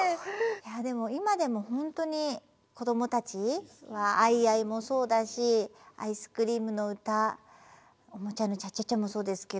いやでも今でも本当にこどもたちは「アイアイ」もそうだし「アイスクリームのうた」「おもちゃのチャチャチャ」もそうですけど。